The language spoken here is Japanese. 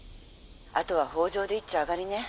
「あとは北条でいっちょ上がりね」。